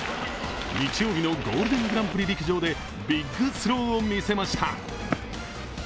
日曜日のゴールデングランプリ陸上でビッグスローを見せました。